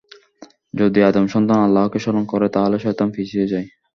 যদি আদম সন্তান আল্লাহকে স্মরণ করে তাহলে শয়তান পিছিয়ে যায়।